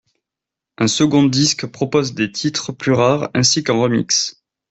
Un second disque propose des titres plus rares ainsi qu'un remix.